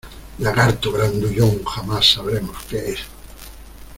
¡ Lagarto grandullón, jamás sabremos qué es!